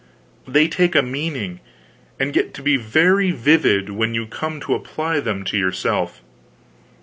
They take a meaning, and get to be very vivid, when you come to apply them to yourself.